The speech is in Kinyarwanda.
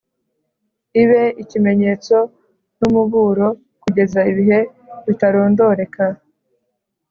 ibe ikimenyetso n’umuburo kugeza ibihe bitarondoreka,